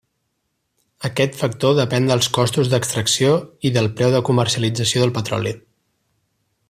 Aquest factor depèn dels costos d'extracció i del preu de comercialització del petroli.